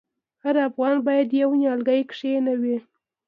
هر افغان باید یو نیالګی کینوي؟